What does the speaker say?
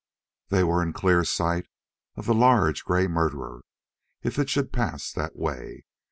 They were in clear sight of the large gray murderer, if it should pass that way.